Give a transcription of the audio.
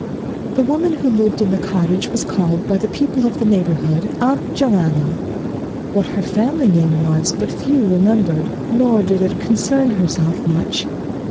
The woman who lived in the cottage was called by the people of the neighbourhood Aunt Joanna. What her family name was but few remembered, nor did it concern herself much.